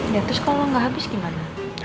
ya terus kalau nggak habis gimana